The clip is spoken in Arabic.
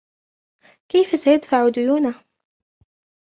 كيفَ سيدفع ديونهُ؟